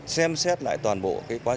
xem xét lại toàn bộ